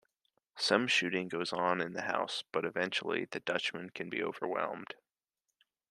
Some shooting goes on in the house, but eventually the Dutchman can be overwhelmed.